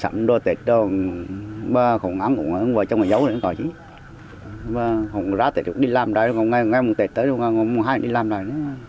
một ngày tết tới cũng hay đi làm đấy